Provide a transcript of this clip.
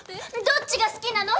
どっちが好きなの？